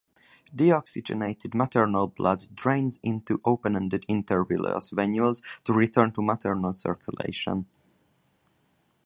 Deoxygenated maternal blood drains into open ended intervillous venules to return to maternal circulation.